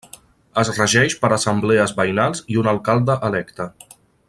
Es regeix per assemblees veïnals i un alcalde electe.